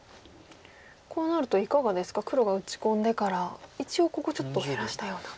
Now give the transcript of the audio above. こうなるといかがですか黒が打ち込んでから一応ここちょっと減らしたような。